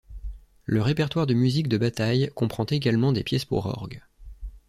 Le répertoire de musiques de bataille comprend également des pièces pour orgue.